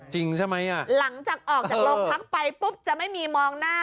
จริงใช่ไหม